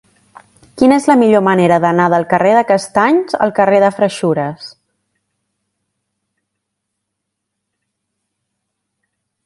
Quina és la millor manera d'anar del carrer de Castanys al carrer de Freixures?